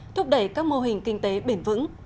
thúc đẩy các mô hình kinh tế bền vững